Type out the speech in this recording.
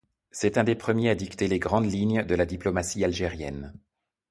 C'est un des premiers à dicter les grandes lignes de la diplomatie algérienne.